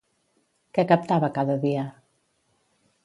Què captava cada dia?